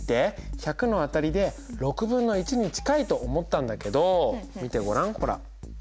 １００の辺りで６分の１に近いと思ったんだけど見てごらんほら。